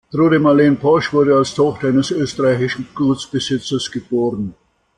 Trude Marlen Posch wurde als Tochter eines österreichischen Gutsbesitzers geboren.